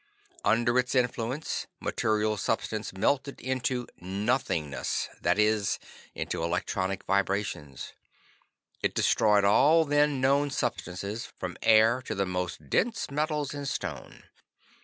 Under its influence, material substance melted into "nothingness"; i. e., into electronic vibrations. It destroyed all then known substances, from air to the most dense metals and stone.